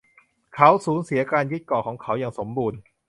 เขาสูญเสียการยึดเกาะของเขาอย่างสมบูรณ์